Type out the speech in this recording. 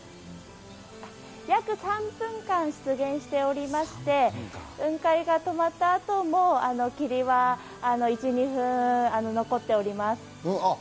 約３分間出現しておりまして、雲海が止まった後も霧は１２分残っております。